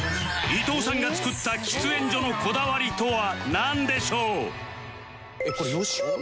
伊藤さんが作った喫煙所のこだわりとは？